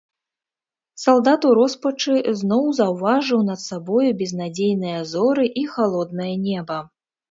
Салдат у роспачы зноў заўважыў над сабою безнадзейныя зоры і халоднае неба.